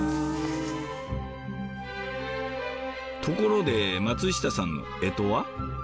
ところで松下さんの干支は？